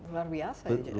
luar biasa ya